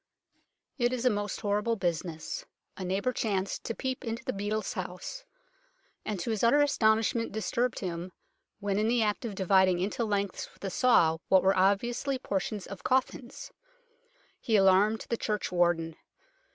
It is a most horrible business. A neighbour chanced to peep into the beadle's house, and to his utter astonishment disturbed him when in the act of dividing into lengths with a saw what were obviously portions of coffins. He alarmed the churchwarden.